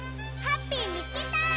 ハッピーみつけた！